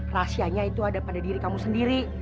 rahasianya itu ada pada diri kamu sendiri